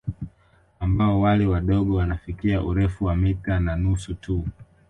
Ambao wale wadogo wanafikia urefu wa mita na nusu tu